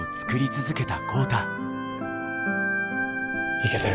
いけてる。